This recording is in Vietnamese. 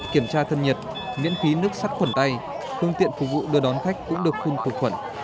kiểm tra thân nhiệt miễn phí nước sắt khuẩn tay phương tiện phục vụ đưa đón khách cũng được khung khử khuẩn